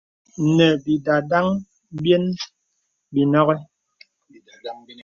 Nə̀ bìndandan byen bə nɔghi.